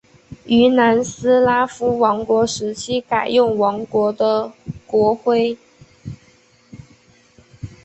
于南斯拉夫王国时期改用王国的国徽。